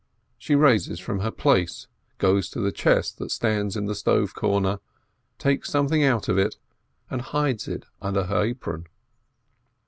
She rises from her place, goes to the chest that stands in the stove corner, takes something out of it, and hides it under her apron.